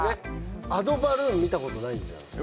アドバルーン見たことないんじゃない？